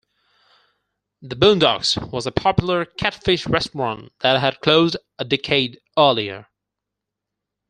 The Boondocks was a popular catfish restaurant that had closed a decade earlier.